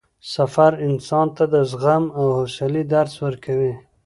سفر انسان ته د زغم او حوصلې درس ورکوي